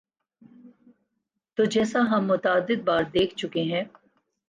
تو جیسا ہم متعدد بار دیکھ چکے ہیں۔